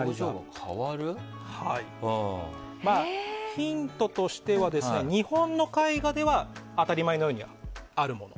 ヒントとしては日本の絵画では当たり前のようにあるもの。